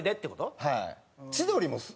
はい。